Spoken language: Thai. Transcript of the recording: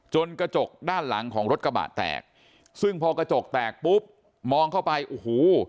กระจกด้านหลังของรถกระบะแตกซึ่งพอกระจกแตกปุ๊บมองเข้าไปโอ้โห